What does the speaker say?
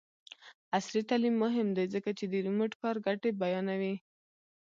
عصري تعلیم مهم دی ځکه چې د ریموټ کار ګټې بیانوي.